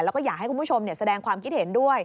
แล้วก็อยากให้คุณผู้ชมแสดงความคิดเห็นด้วย